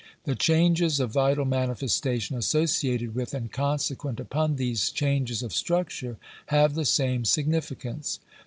The changes of vital manifestation associated with and con sequent upon these changes of structure, have the same signi ficance.